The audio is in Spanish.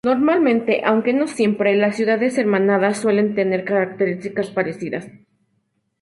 Normalmente, aunque no siempre, las ciudades hermanadas suelen tener características parecidas.